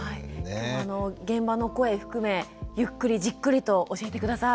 現場の声含めゆっくりじっくりと教えて下さい。